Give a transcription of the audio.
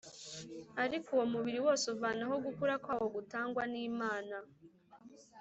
ari wo umubiri wose uvanaho gukura kwawo gutangwa n’Imana